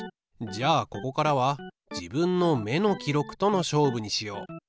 じゃあここからは自分の目の記録との勝負にしよう。